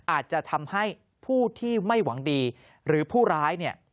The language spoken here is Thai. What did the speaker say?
อาจจะทำให้ผู้ที่ไม่หวังดีหรือผู้ร้ายเนี่ย